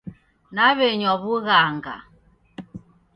Naw'enywa w'ughanga.